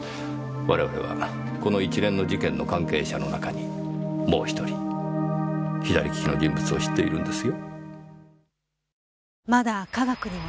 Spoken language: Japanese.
我々はこの一連の事件の関係者の中にもう１人左利きの人物を知っているんですよ。